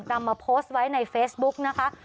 นำมาโพสต์ไว้ในเฟซบุ๊กนะคะ